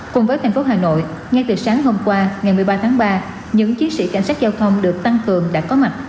cùng với thành phố hà nội ngay từ sáng hôm qua ngày một mươi ba tháng ba những chiến sĩ cảnh sát giao thông được tăng cường đã có mặt